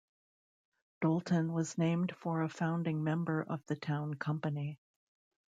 Dolton was named for a founding member of the town company.